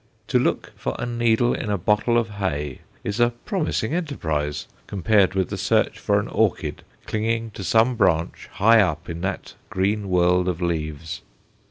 To look for a needle in a bottle of hay is a promising enterprise compared with the search for an orchid clinging to some branch high up in that green world of leaves.